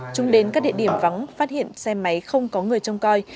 chúng đến các địa điểm vắng phát hiện xe máy không có người trông coi